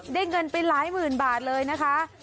เงินไปหลายหมื่นบาทเลยนะคะ